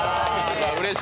うれしい。